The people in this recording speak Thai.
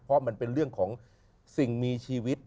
เพราะมันเป็นเรื่องของสิ่งมีชีวิต